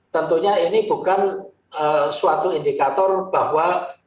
tentunya ini bukan suatu indikator bahwa